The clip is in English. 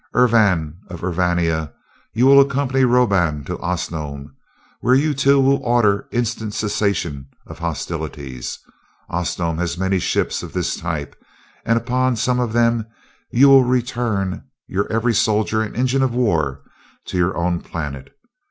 Urvan of Urvania, you will accompany Roban to Osnome, where you two will order instant cessation of hostilities. Osnome has many ships of this type, and upon some of them you will return your every soldier and engine of war to your own planet.